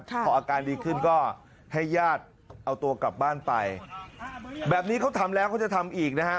พออาการดีขึ้นก็ให้ญาติเอาตัวกลับบ้านไปแบบนี้เขาทำแล้วเขาจะทำอีกนะฮะ